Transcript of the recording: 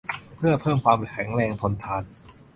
เพื่อเพิ่มความแข็งแรงทนทาน